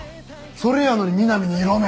それやのにみなみに色目。